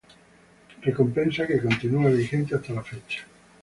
Recompensa que continúa vigente hasta la fecha.